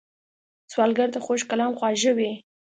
سوالګر ته خوږ کلام خواږه وي